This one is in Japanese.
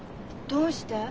どうして？